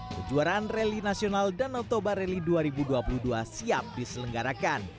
kejuaraan rally nasional danau toba rally dua ribu dua puluh dua siap diselenggarakan